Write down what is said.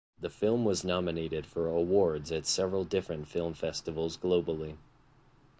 The film was nominated for awards at several different film festivals globally.